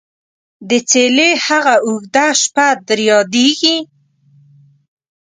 دڅيلې هغه او ژده شپه در ياديژي ?